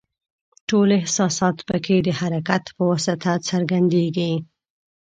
ټول احساسات پکې د حرکت په واسطه څرګندیږي.